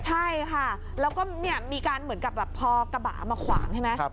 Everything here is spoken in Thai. ใช่ค่ะแล้วก็มีการเหมือนกับแบบพอกระบะมาขวางใช่ไหม